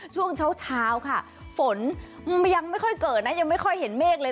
ช่วงเช้าค่ะฝนยังไม่ค่อยเกิดนะยังไม่ค่อยเห็นเมฆเลย